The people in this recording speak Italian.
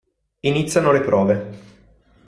Iniziano le prove.